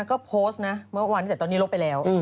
ก็โพสต์นะเมื่อวานตั้งแต่ตอนนี้ลบไปแล้ว